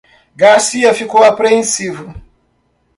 Garcia ficou apreensivo.